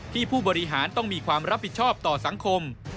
ผู้บริหารต้องมีความรับผิดชอบต่อสังคม